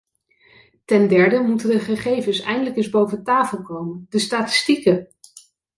Ten derde moeten de gegevens eindelijk eens boven tafel komen, de statistieken.